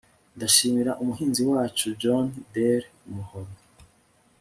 ndashimira umuhinzi wacu john deere umuhoro